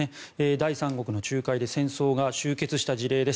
第三国の仲介で戦争が終結した事例です。